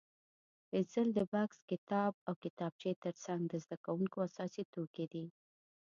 پنسل د بکس، کتاب او کتابچې تر څنګ د زده کوونکو اساسي توکي دي.